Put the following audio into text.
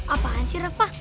apaan sih rafa